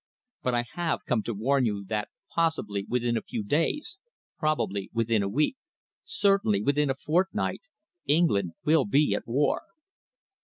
But I have come to warn you that possibly within a few days, probably within a week, certainly within a fortnight, England will be at war."